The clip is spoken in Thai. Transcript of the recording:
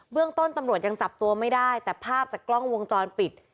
เรื่องต้นตำรวจยังจับตัวไม่ได้แต่ภาพจากกล้องวงจรปิด